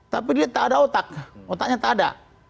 tapi dia tak ada otak otaknya tak ada